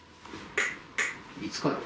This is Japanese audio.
いつから？